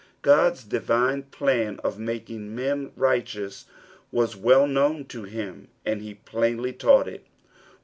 God's divine plan of makiog: men righteous ' was well known to him, and he plainly taught it.